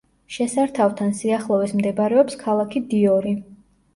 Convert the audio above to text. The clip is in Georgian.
შესართავთან სიახლოვეს მდებარეობს ქალაქი დიორი.